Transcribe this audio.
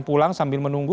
pulang sambil menunggu